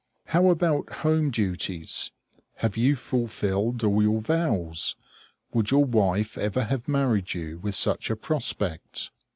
How about home duties? Have you fulfilled all your vows? Would your wife ever have married you with such a prospect?